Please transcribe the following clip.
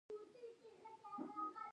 ایا ستنه مو لګولې ده؟